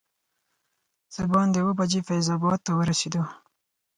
څه باندې اووه بجې فیض اباد ته ورسېدو.